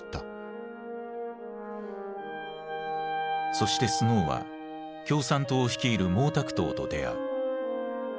そしてスノーは共産党を率いる毛沢東と出会う。